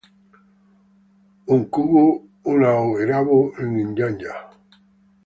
ukungu unaoharibu nyanya.